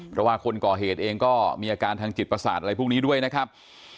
เพราะว่าคนก่อเหตุเองก็มีอาการทางจิตประสาทอะไรพวกนี้ด้วยนะครับ